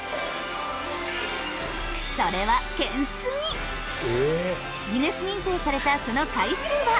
それはギネス認定されたその回数は。